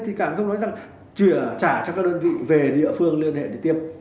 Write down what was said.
thì cảng không nói rằng trả cho các đơn vị về địa phương liên hệ để tiêm